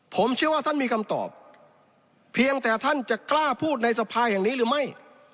ผมเชื่อว่าท่านมีคำตอบเพียงแต่ท่านจะกล้าพูดในสภาแห่งนี้หรือไม่